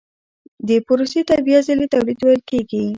دې پروسې ته بیا ځلي تولید ویل کېږي